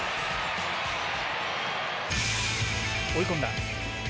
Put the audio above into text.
追い込んだ。